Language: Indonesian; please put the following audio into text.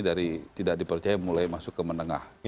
dari tidak dipercaya mulai masuk ke menengah